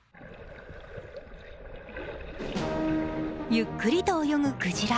ゆっくりと泳ぐクジラ。